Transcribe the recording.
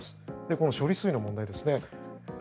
この処理水の問題ですね。